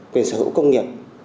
quyền sở hữu công nghiệp